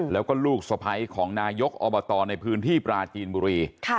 แล้วก็ลูกสะพ้ายของนายกอบตในพื้นที่ปราจีนบุรี